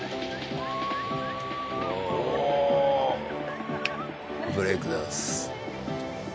おお。ブレイクダンス。